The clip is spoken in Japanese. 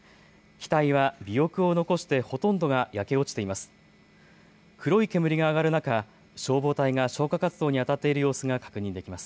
機体は尾翼を残してほとんどが焼け落ちています。